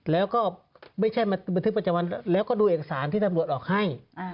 แล้วก็ไม่ใช่มาบันทึกประจำวันแล้วก็ดูเอกสารที่ตำรวจออกให้